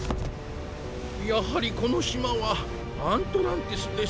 やはりこのしまはアントランティスでしたか。